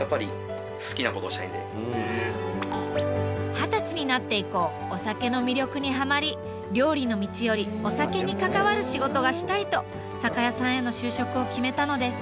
二十歳になって以降お酒の魅力にハマり料理の道よりお酒に関わる仕事がしたい！と酒屋さんへの就職を決めたのです。